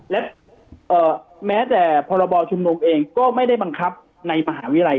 และแม้แต่พรบชุมนุมเองก็ไม่ได้บังคับในมหาวิทยาลัย